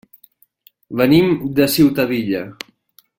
Venim de Ciutadilla.